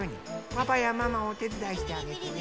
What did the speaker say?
パパやママおてつだいしてあげてね。